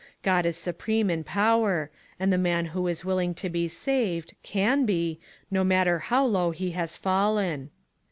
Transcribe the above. God is su preme in power, and the man who is willing to be saved, can bey no matter how low he has fallen."